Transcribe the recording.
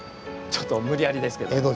ちょっと無理やりですけど。